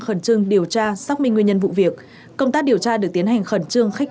khẩn trương điều tra xác minh nguyên nhân vụ việc công tác điều tra được tiến hành khẩn trương khách